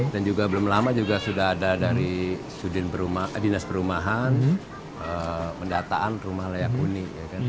dan juga belum lama sudah ada dari dinas perumahan pendataan rumah layak huni